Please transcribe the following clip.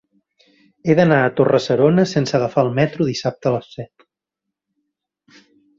He d'anar a Torre-serona sense agafar el metro dissabte a les set.